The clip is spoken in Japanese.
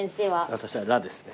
私は羅ですね。